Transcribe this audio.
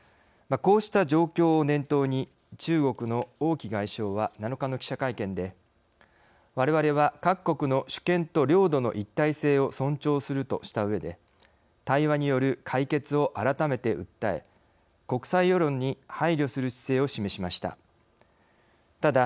こうした状況を念頭に中国の王毅外相は７日の記者会見で「われわれは各国の主権と領土の一体性を尊重する」としたうえで対話による解決を改めて訴え国際世論に配慮する姿勢を示しました。